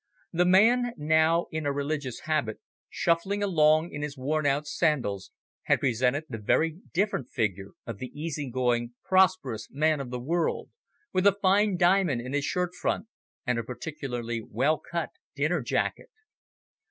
The man now in a religious habit, shuffling along in his worn out sandals, had presented the very different figure of the easy going prosperous man of the world, with a fine diamond in his shirt front and a particularly well cut dinner jacket.